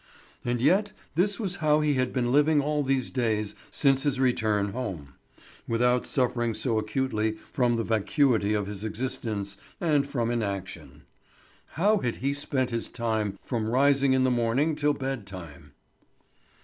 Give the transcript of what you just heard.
And yet this was how he had been living all these days since his return home, without suffering so acutely from the vacuity of his existence and from inaction. How had he spent his time from rising in the morning till bed time?